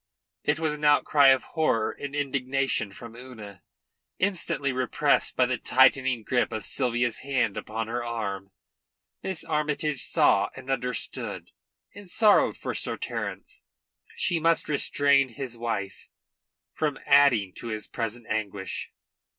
It was an outcry of horror and indignation from Una, instantly repressed by the tightening grip of Sylvia's hand upon her arm. Miss Armytage saw and understood, and sorrowed for Sir Terence. She must restrain his wife from adding to his present anguish.